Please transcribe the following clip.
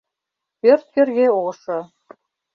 Пӧрт кӧргӧ ошо.